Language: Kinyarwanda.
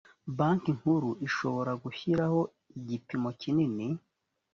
banki nkuru ishobora gushyiraho igipimo kinini.